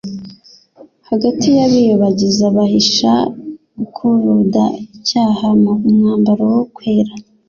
Hagati y'abiyobagiza, bahisha gukuruda icyaha mu mwambaro wo kwera